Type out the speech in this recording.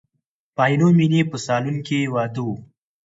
په عینومیني په سالون کې واده و.